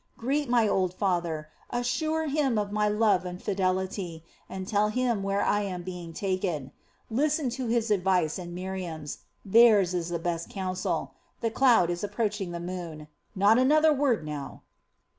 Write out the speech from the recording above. Greet my old father, assure him of my love and fidelity, and tell him where I am being taken. Listen to his advice and Miriam's; theirs is the best counsel. The cloud is approaching the moon, not another word now!"